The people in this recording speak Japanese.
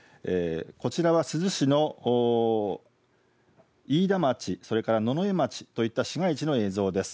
こちらは珠洲市の飯田町、それから野々江町といった市街地の映像です。